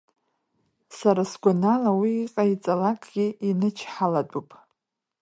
Сара сгәанала, уи иҟаиҵалакгьы инычҳалатәуп.